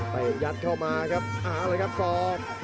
ไปยัดเข้ามาครับเอาเลยครับศอก